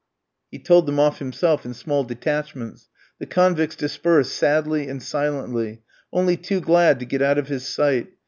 He told them off himself in small detachments. The convicts dispersed sadly and silently, only too glad to get out of his sight.